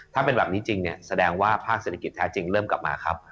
ถ้าเป็นแบบนี้จริงเนี่ยแสดงว่าภาคเศรษฐกิจแท้จริงเริ่มกลับมาครับ